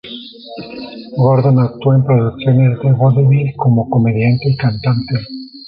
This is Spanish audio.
Gordon actuó en producciones de vodevil como comediante y cantante.